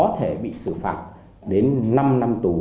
có thể bị xử phạt đến năm năm tù